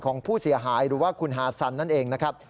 ของผู้เสียหายหรือว่าคุณฮาซันนั่นเองนะครับ